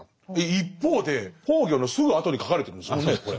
一方で崩御のすぐあとに書かれてるんですもんねこれ。